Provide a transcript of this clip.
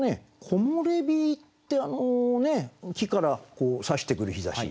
木漏れ日って木からさしてくる日ざし。